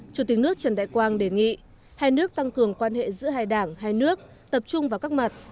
chủ tịch nước trần đại quang đề nghị hai nước tăng cường quan hệ giữa hai đảng hai nước tập trung vào các mặt